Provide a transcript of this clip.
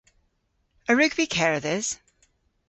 A wrug vy kerdhes?